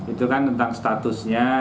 itu kan tentang statusnya